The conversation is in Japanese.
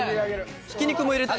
ひき肉も入れたい。